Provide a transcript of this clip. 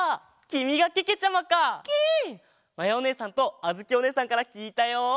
まやおねえさんとあづきおねえさんからきいたよ！